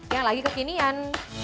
yang lagi kekinian